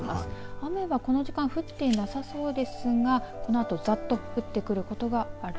雨はこの時間降ってなさそうですがこのあとざっと降ってくることがある